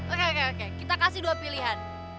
oke oke kita kasih dua pilihan